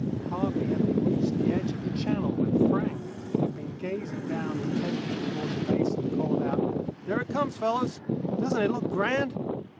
Hardly had they reached the edge of the channel when Frank, who had been gazing down intently toward the Basin, called out,— "There it comes, fellows. Doesn't it look grand?"